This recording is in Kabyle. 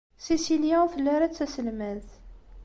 Cecilia ur telli ara d taselmadt.